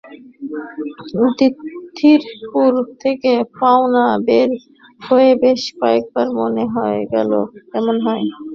অতিথপুর থেকে রওনা হয়ে বেশ কয়েকবার মনে হল না গেলে কেমন হয়?